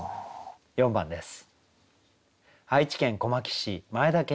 ４番です。